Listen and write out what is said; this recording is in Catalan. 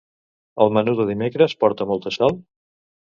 El menú de dimecres porta molta sal?